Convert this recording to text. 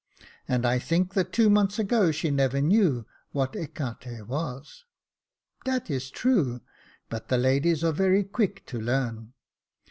" And I think that two months ago she never knew what ecarte was." " Dat is true ; but the ladies are very quick to learn."